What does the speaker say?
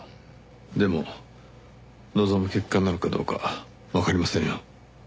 でも望む結果になるかどうかわかりませんよ。